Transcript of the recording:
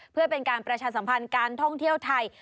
เพื่อเป็นการประชาสัมพันธ์การท่องเที่ยวไทย